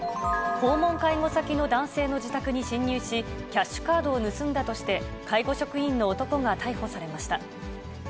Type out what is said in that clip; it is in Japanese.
訪問介護先の男性の自宅に侵入し、キャッシュカードを盗んだとして、介護職員の男が逮捕されました。